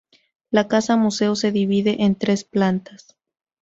La Casa Museo se divide en tres plantas.